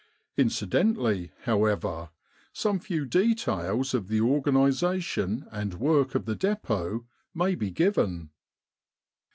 Incidentally, however, some few details of the organisation and work of the Dep6t may be given.